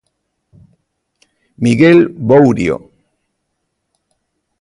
Miguel Bourio.